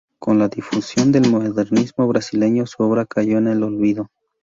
Con la difusión del modernismo brasileño, su obra cayó en el olvido.